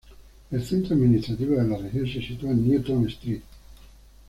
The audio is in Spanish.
El centro administrativo de la región se sitúa en Newtown St.